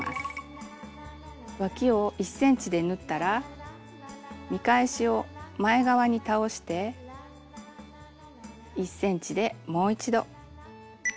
わきを１ｃｍで縫ったら見返しを前側に倒して１ｃｍでもう一度この部分縫います。